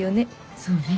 そうね。